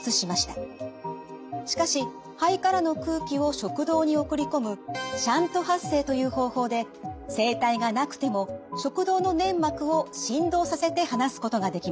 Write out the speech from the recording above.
しかし肺からの空気を食道に送り込むシャント発声という方法で声帯がなくても食道の粘膜を振動させて話すことができます。